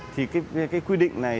thì cái quy định này